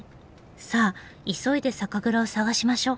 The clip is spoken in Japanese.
さあ急いで酒蔵を探しましょう。